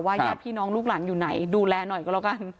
ญาติพี่น้องลูกหลานอยู่ไหนดูแลหน่อยก็แล้วกัน